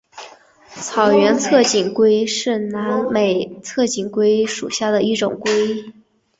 草原侧颈龟是南美侧颈龟属下的一种龟。